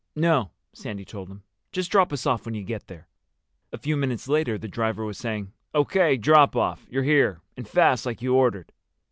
"No," Sandy told him. "Just drop us off when you get there." A few minutes later the driver was saying, "O.K. Drop off. You're here—and fast, like you ordered."